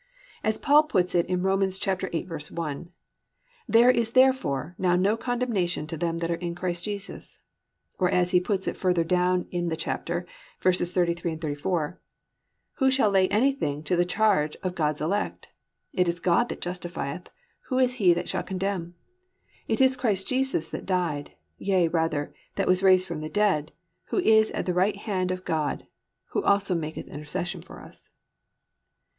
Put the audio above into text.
As Paul puts it in Rom. 8:1, +"There is therefore now no condemnation to them that are in Christ Jesus."+ Or, as he puts it further down in the chapter, verses 33, 34, +"Who shall lay anything to the charge of God's elect? It is God that justifieth; who is he that shall condemn? It is Christ Jesus that died, yea rather, that was raised from the dead, who is at the right hand of God, who also maketh intercession for us."